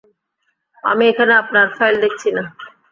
আমি এখানে আপনার ফাইল দেখছি না।